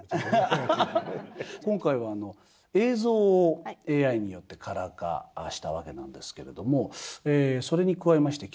今回は映像をＡＩによってカラー化したわけなんですけれどもそれに加えまして貴重なお写真も。